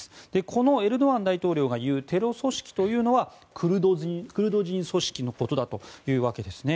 このエルドアン大統領が言うテロ組織というのはクルド人組織というわけです。